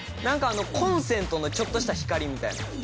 なんかあのコンセントのちょっとした光みたいな。